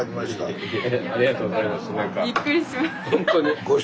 ありがとうございますなんか。